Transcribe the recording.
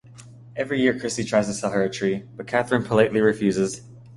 Every year Christy has tried to sell her a tree, but Catherine politely refuses.